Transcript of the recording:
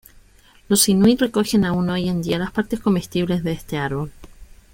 Los inuit recogen aún hoy en día las partes comestibles de este árbol.